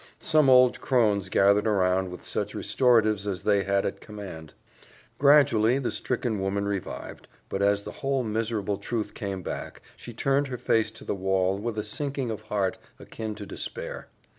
Some old crones gathered around with such restoratives as they had at command. Gradually the stricken woman revived, but as the whole miserable truth came back, she turned her face to the wall with a sinking of heart akin to despair.